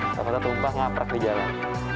tumpah tumpah ngapret di jalan